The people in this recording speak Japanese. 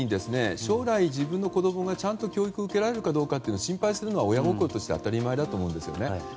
将来、自分の子供がちゃんと教育を受けられるか心配するのは親心として当たり前だと思います。